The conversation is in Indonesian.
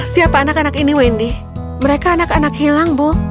siapa anak anak ini wendy mereka anak anak hilang bu